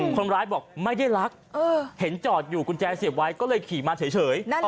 คนร้ายบอกไม่ได้รักเห็นจอดอยู่กุญแจเสียบไว้ก็เลยขี่มาเฉย